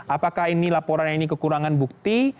apakah ini laporan ini kekurangan bukti